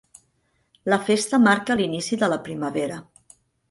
La festa marca l'inici de la primavera.